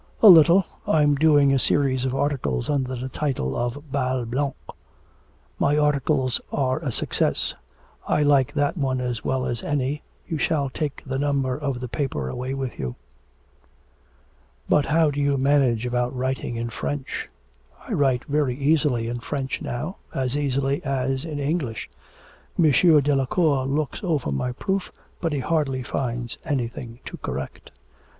'A little, I'm doing a series of articles under the title of Bal Blanc. My articles are a success. I like that one as well as any, you shall take the number of the paper away with you.' 'But how do you manage about writing in French?' 'I write very easily in French now, as easily as in English. M. Delacour looks over my proof, but he hardly finds anything to correct.'